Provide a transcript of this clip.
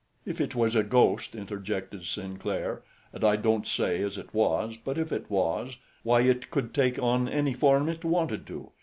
"If it was a ghost," interjected Sinclair, "and I don't say as it was; but if it was, why, it could take on any form it wanted to.